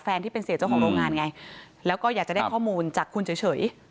ที่เป็นเสียเจ้าของโรงงานไงแล้วก็อยากจะได้ข้อมูลจากคุณเฉย